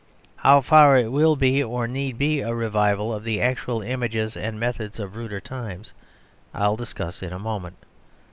How far it will be, or need be, a revival of the actual images and methods of ruder times I will discuss in a moment.